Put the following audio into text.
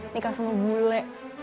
nikah sama bule